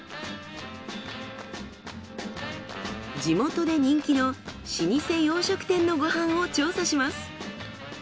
地元で人気の老舗洋食店のご飯を調査します。